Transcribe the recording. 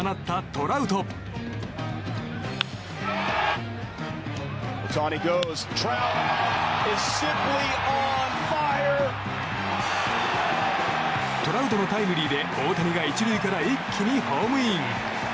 トラウトのタイムリーで大谷が１塁から一気にホームイン！